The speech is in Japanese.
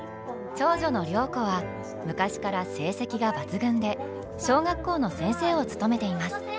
長女の良子は昔から成績が抜群で小学校の先生を務めています。